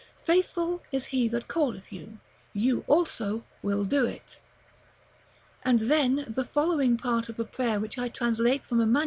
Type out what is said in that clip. Faithful is he that calleth you, who also will do it." And then the following part of a prayer which I translate from a MS.